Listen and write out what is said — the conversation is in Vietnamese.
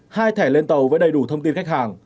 hai thẻ lên tàu với đầy đủ thông tin khách hàng